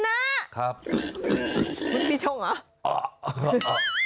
ยังไม่ใช่ปีชงเหรอ